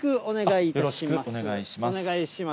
お願いします。